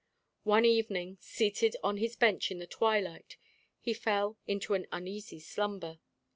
One evening, seated on his bench in the twilight, he fell into an uneasy slumber.